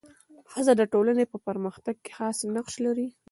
ښځه د ټولني په پرمختګ کي خاص نقش لري.